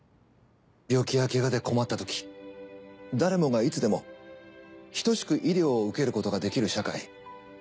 病気やケガで困ったとき誰もがいつでも等しく医療を受けることができる社会。